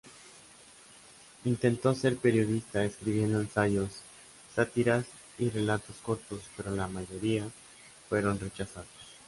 Intentó ser periodista, escribiendo ensayos, sátiras y relatos cortos, pero la mayoría fueron rechazados.